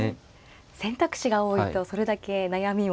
選択肢が多いとそれだけ悩みも。